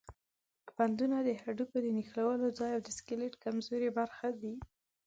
بندونه د هډوکو د نښلولو ځای او د سکلیټ کمزورې برخې دي.